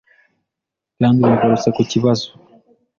kandi bagarutse ku kibazo